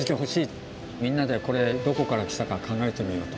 みんなでこれどこから来たか考えてみようと。